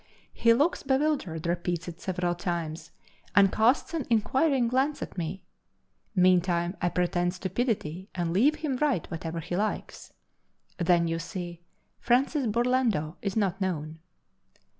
He looks bewildered, repeats it several times, and casts an inquiring glance at me; meantime I pretend stupidity and leave him write whatever he likes. Then, you see, Francis Burlando is not known."